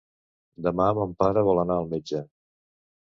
Demà mon pare vol anar al metge.